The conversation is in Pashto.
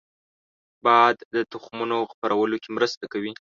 باد د تخمونو خپرولو کې مرسته کوي